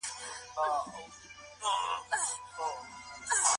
ډیپلوماټیک ځوابونه باید د منطق او دلیل پر اساس وي.